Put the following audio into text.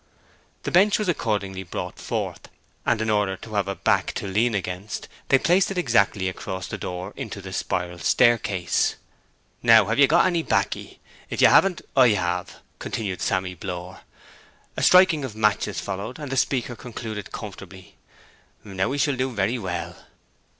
The bench was accordingly brought forth, and in order to have a back to lean against, they placed it exactly across the door into the spiral staircase. 'Now, have ye got any backy? If ye haven't, I have,' continued Sammy Blore. A striking of matches followed, and the speaker concluded comfortably, 'Now we shall do very well.'